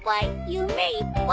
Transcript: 夢いっぱい。